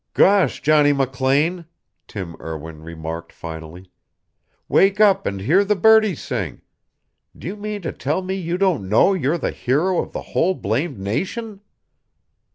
"Gosh, Johnny McLean," Tim Erwin remarked finally, "wake up and hear the birdies sing. Do you mean to tell me you don't know you're the hero of the whole blamed nation?"